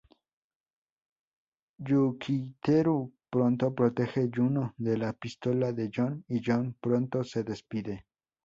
Yukiteru pronto protege Yuno de la pistola de John, y John pronto se despide.